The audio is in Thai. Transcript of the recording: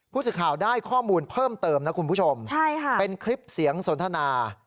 ผู้สื่อข่าวได้ข้อมูลเพิ่มเติมนะคุณผู้ชมเป็นคลิปเสียงสนทนา